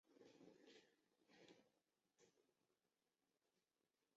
慧科是大中华区的一个收集中文新闻出版物及市场资讯的网上资料库。